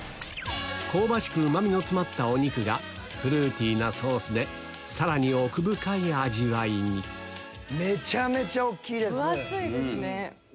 香ばしくうま味の詰まったお肉がフルーティーなソースでさらに奥深い味わいにめちゃめちゃ大きいです。